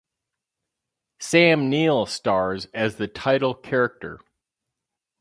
Sam Neill stars as the title character.